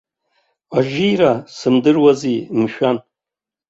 Ажьира сымдыруази, мшәан?